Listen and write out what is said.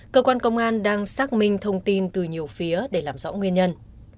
cơ quan công an đang xác minh thông tin từ nhiều phía để làm rõ nguyên nhân